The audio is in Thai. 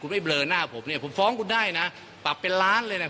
ไม่เบลอหน้าผมเนี่ยผมฟ้องคุณได้นะปรับเป็นล้านเลยนะ